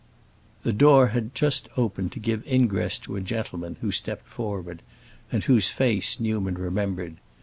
The door had just opened to give ingress to a gentleman who stepped forward and whose face Newman remembered.